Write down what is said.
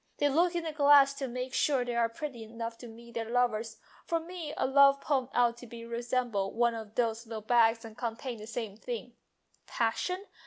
They look in the glass to make sure that they are pretty enough to meet their lovers. For me a love poem ought to resemble one of those little bags and contain the same things. Passion?